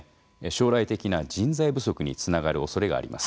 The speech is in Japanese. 将来的な人材不足につながるおそれがあります。